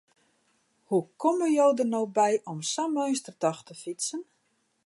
Hoe komme jo der no by om sa'n meunstertocht te fytsen?